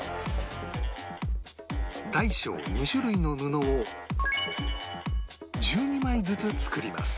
大小２種類の布を１２枚ずつ作ります